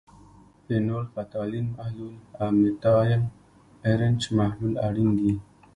فینول فتالین محلول او میتایل ارنج محلول اړین دي.